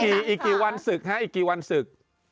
อีกกี่วันศึกฮะอีกกี่วันศึก